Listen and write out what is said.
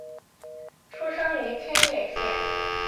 出生于千叶县。